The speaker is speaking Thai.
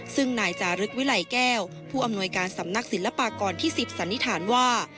ซึ่งนายจารึกวิไลแก้วผู้อำนวยการสำนักศิลปากรที่๑๐สันนิษฐานว่า